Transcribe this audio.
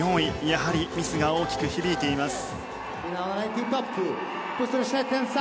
やはりミスが大きく響いています。